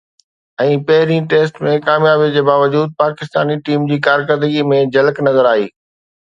۽ پهرين ٽيسٽ ۾ ڪاميابي جي باوجود پاڪستاني ٽيم جي ڪارڪردگيءَ ۾ جھلڪ نظر آئي